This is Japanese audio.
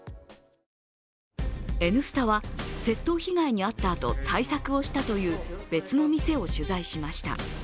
「Ｎスタ」は窃盗被害に遭ったあと対策をしたという別の店を取材しました。